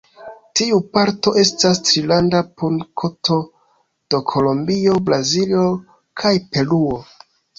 Tiu parto estas Trilanda punkto de Kolombio, Brazilo kaj Peruo.